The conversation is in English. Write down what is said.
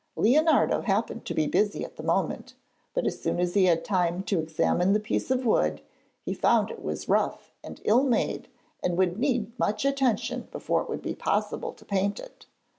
Leonardo happened to be busy at the moment, but as soon as he had time to examine the piece of wood he found it was rough and ill made, and would need much attention before it would be possible to paint it.